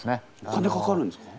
お金かかるんですか？